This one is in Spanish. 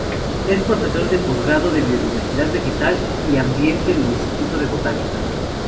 Es profesora de postgrado de "Biodiversidad vegetal y Ambiente", del Instituto de Botánica.